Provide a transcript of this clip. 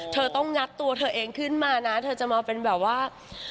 เธอต้องงัดตัวเธอเองขึ้นมานะเธอจะมาเป็นแบบว่า